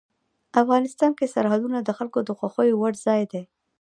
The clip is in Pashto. افغانستان کې سرحدونه د خلکو د خوښې وړ ځای دی.